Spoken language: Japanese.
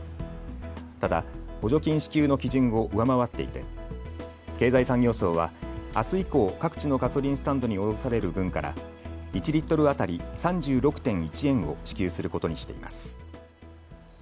ただ、補助金支給の基準を上回っていて経済産業省はあす以降、各地のガソリンスタンドに卸される分から１リットル当たり３６．１円を支給することにしています。